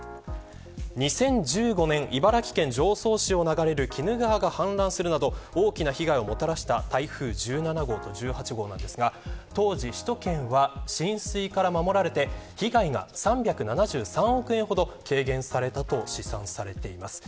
２０１５年、茨城県常総市を流れる鬼怒川が氾濫するなど大きな被害をもたらした台風１７号と１８号ですが当時、首都圏は浸水から守られて被害が３７３億円ほど軽減されたと試算されています。